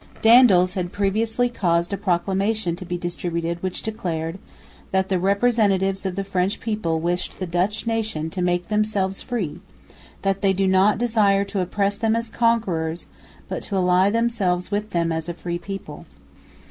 Daendels had previously caused a proclamation to be distributed which declared "that the representatives of the French people wished the Dutch nation to make themselves free; that they do not desire to oppress them as conquerors, but to ally themselves with them as with a free people."